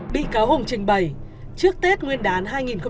bị cáo hùng trình bày trước tết nguyên đán hai nghìn một mươi chín